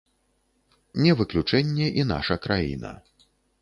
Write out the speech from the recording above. Не выключэнне і наша краіна.